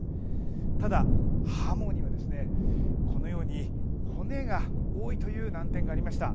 ただ、ハモにはこのように骨が多いという難点がありました。